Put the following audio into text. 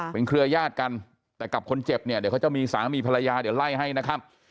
เป็นเครือยาศกันแต่กับคนเจ็บเนี่ยเดี๋ยวเขาจะมีสามีภรรยาเดี๋ยวไล่ให้นะครับ